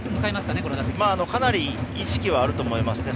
かなり意識はあると思いますね